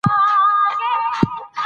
په افغانستان کې زغال ډېر اهمیت لري.